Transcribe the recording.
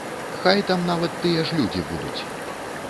Хай там нават тыя ж людзі будуць.